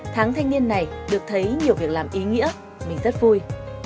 tháng thanh niên này được thấy nhiều việc làm ý nghĩa mình rất vui